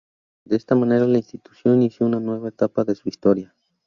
De esta manera, la Institución inició una nueva etapa de su historia.